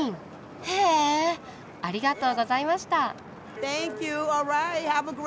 へえありがとうございました。